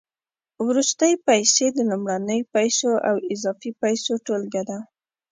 وروستۍ پیسې د لومړنیو پیسو او اضافي پیسو ټولګه ده